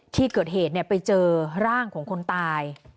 ที่เกิดเหตุไปเจอร่างของคนตาย